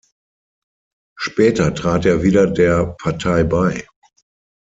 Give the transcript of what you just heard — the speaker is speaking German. Später trat er wieder der Partei bei.